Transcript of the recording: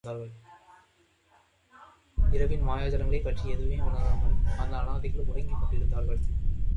இரவின் மாயா ஜாலங்களைப் பற்றி எதுவுமே உணராமல் அந்த அனாதைகள் உறங்கிக் கொண்டிருந்தார்கள்.